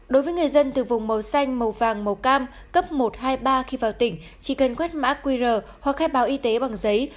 đối với người dân từ vùng màu xanh màu vàng màu cam cấp một hai mươi ba khi vào tỉnh chỉ cần quét mã qr hoặc khai báo y tế bằng giấy